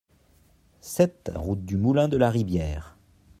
sept route du Moulin de la Ribière